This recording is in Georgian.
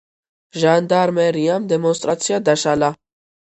ჟანდარმერიამ დემონსტრაცია დაშალა.